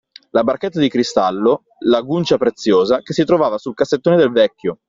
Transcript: La barchetta di cristallo, la giunca preziosa, che si trovava sul cassettone del vecchio!